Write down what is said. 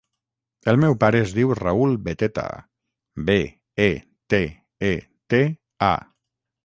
El meu pare es diu Raül Beteta: be, e, te, e, te, a.